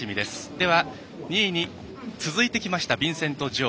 では、２位に続いてきましたビンセント・ジョウ。